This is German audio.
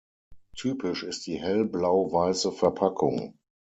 Typisch ist die hellblau-weiße Verpackung.